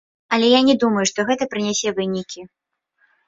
Але я не думаю, што гэта прынясе вынікі.